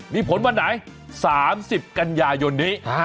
มีผลวันไหน๓๐กันยายนนี้